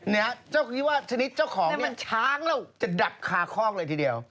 นี่ครับเจ้าคิดว่าชนิดเจ้าของทางเราจะดับคาครอกเลยทีเดียว